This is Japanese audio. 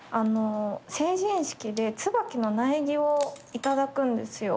成人式でつばきの苗木を頂くんですよ。